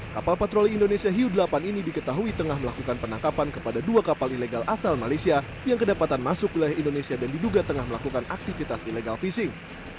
kapal patroli indonesia hiu delapan ini diketahui tengah melakukan penangkapan kepada dua kapal ilegal asal malaysia yang kedapatan masuk wilayah indonesia dan diduga tengah melakukan aktivitas illegal fishing